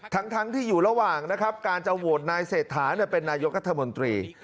ทั้งที่อยู่ระหว่างนะครับการจะโหวตนายเศรษฐาเป็นนายกรัฐมนตรี